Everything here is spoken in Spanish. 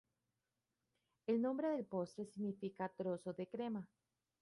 El nombre del postre significa simplemente "trozo de crema".